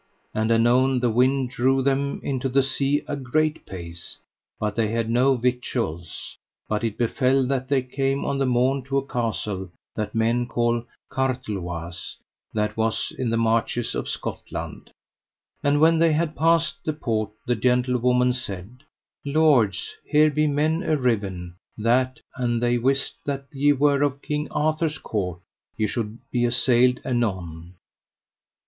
And anon the wind drove them into the sea a great pace, but they had no victuals: but it befell that they came on the morn to a castle that men call Carteloise, that was in the marches of Scotland. And when they had passed the port, the gentlewoman said: Lords, here be men arriven that, an they wist that ye were of King Arthur's court, ye should be assailed anon.